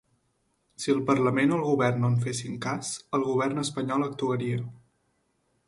Si el parlament o el govern no en fessin cas, el govern espanyol actuaria.